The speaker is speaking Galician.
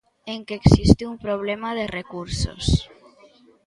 En que existe un problema de recursos.